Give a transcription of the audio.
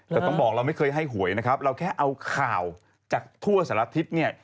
แต่ต้องบอกเราไม่เคยให้หวยนะครับเราแค่เอาข่าวจากทั่วสารทิศเนี่ย